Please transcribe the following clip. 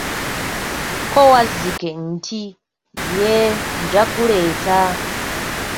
Ko Wazzike nti, yee nja guleeta.